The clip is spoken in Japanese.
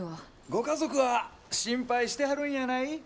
ご家族は心配してはるんやない？